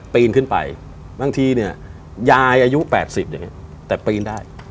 ปีนขึ้นไปบางทียายอายุ๘๐แต่ปีนได้